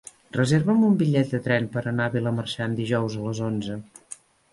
Reserva'm un bitllet de tren per anar a Vilamarxant dijous a les onze.